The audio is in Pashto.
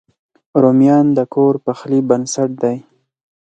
رومیان د کور پخلي بنسټ دی